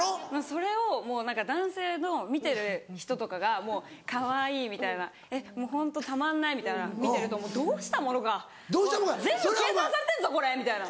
それをもう何か男性の見てる人とかが「かわいい」みたいな「ホントたまんない」みたいな見てるとどうしたものかおい全部計算されてんぞこれ！みたいな。